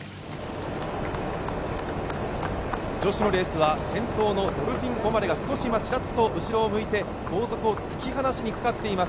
女子のレースは先頭のドルフィン・オマレが少し今、ちらっと後を向いて後続を突き放しにかかっています。